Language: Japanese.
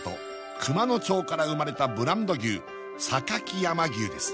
熊野町から生まれたブランド牛榊山牛です